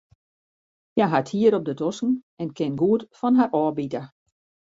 Hja hat hier op de tosken en kin goed fan har ôfbite.